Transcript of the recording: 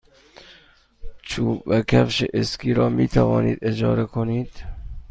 چوب و کفش اسکی را می توانید اجاره کنید.